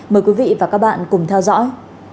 mời quý vị và các bạn cùng theo dõi